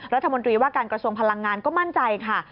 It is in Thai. รัฐมนตรีว่าการกระทรวงพลังงานก็มั่นใจค่ะ